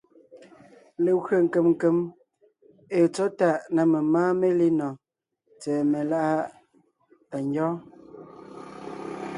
Legwé nkèm nkèm ée tsɔ̌ tàʼ na memáa melínɔɔn tsɛ̀ɛ meláʼ tà ngyɔ́ɔn.